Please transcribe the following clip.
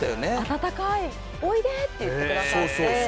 「温かいおいでって言ってくださって」